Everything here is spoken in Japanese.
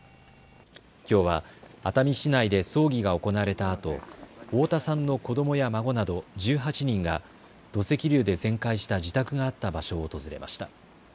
きょうは熱海市内で葬儀が行われたあと太田さんの子どもや孫など１８人が土石流で全壊した自宅があった場所を訪れました。